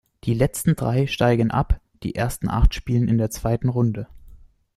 Die letzten drei steigen ab, die ersten acht spielen in der Zweiten Runde.